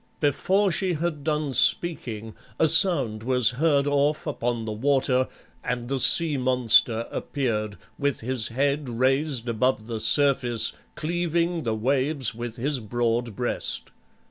Before she had done speaking, a sound was heard off upon the water, and the sea monster appeared, with his head raised above the surface, cleaving the waves with his broad breast.